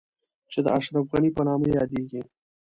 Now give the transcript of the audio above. چې د اشرف غني په نامه يادېږي.